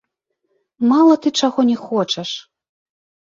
Мала ты чаго не хочаш.